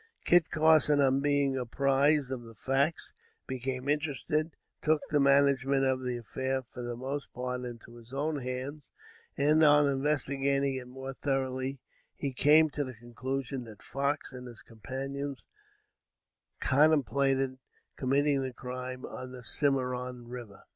Kit Carson, on being apprised of the facts, became interested, and took the management of the affair, for the most part, into his own hands; and, on investigating it more thoroughly, he came to the conclusion that Fox and his companions contemplated committing the crime on the Cimaron River.